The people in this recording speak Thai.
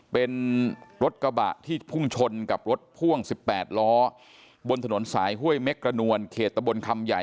เป็นรถกระบะที่พุ่งชนกับรถพ่วง๑๘ล้อบนถนนสายห้วยเม็กกระนวลเขตตะบนคำใหญ่